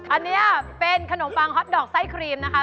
อันนี้เป็นขนมปังฮอตดอกไส้ครีมนะคะ